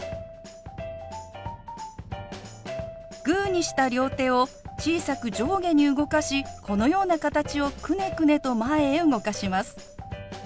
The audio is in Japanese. グーにした両手を小さく上下に動かしこのような形をくねくねと前へ動かします。